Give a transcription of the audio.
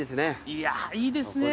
いやーいいですね。